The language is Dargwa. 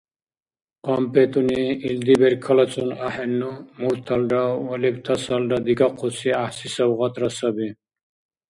КъампетӀуни – илди беркалацун ахӀенну, мурталра ва лебтасалра дигахъуси гӀяхӀси савгъатра саби.